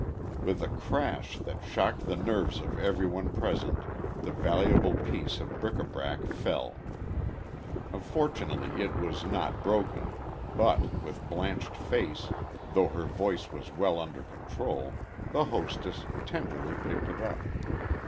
With a crash that shocked the nerves of every one present, the valuable piece of bric a brac fell. Fortunately, it was not broken, but, with blanched face, though her voice was well under control, the hostess tenderly picked it up.